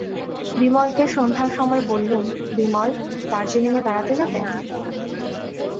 বিমলকে সন্ধ্যার সময় বললুম, বিমল, দার্জিলিঙে বেড়াতে যাবে?